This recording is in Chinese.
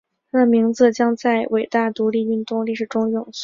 他的名字将在伟大独立运动历史中永存。